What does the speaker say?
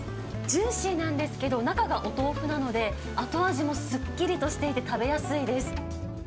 ジューシーなんですけど、中がお豆腐なので、後味もすっきりとしていて、食べやすいです。